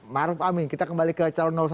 maruf amin kita kembali ke calon satu